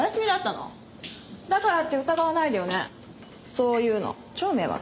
そういうの超迷惑。